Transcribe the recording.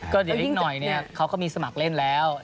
ก็เดี๋ยวอีกหน่อยเขาก็มีสมัครเล่นแล้ว